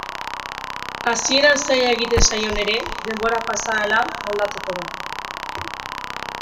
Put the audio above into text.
Hasieran zaila egiten zaion ere, denbora pasa ahala moldatuko da.